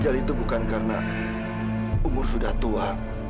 belajar itu bukan karena umur sudah tua